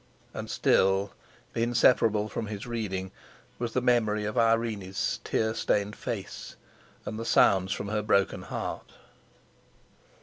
And still, inseparable from his reading, was the memory of Irene's tear stained face, and the sounds from her broken heart.